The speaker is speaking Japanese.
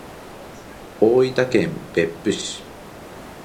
大分県別府市